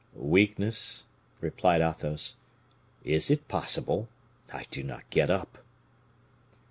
"Weakness!" replied Athos; "is it possible? I do not get up."